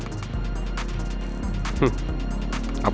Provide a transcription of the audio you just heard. apalagi kalau gue ngebut